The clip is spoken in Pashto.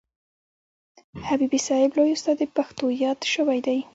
حبیبي صاحب لوی استاد د پښتو یاد سوی دئ.